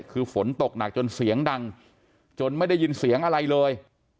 คือฝนตกหนักจนเสียงดังจนไม่ได้ยินเสียงอะไรเลย